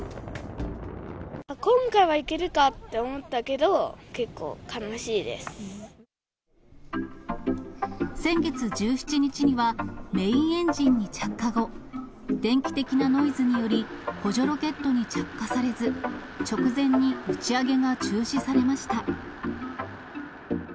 今回はいけるかって思ったけ先月１７日には、メインエンジンに着火後、電気的なノイズにより、補助ロケットに着火されず、直前に打ち上げが中止されました。